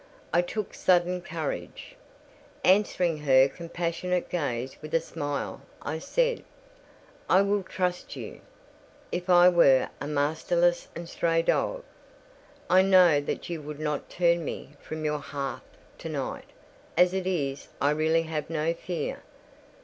I took sudden courage. Answering her compassionate gaze with a smile, I said—"I will trust you. If I were a masterless and stray dog, I know that you would not turn me from your hearth to night: as it is, I really have no fear.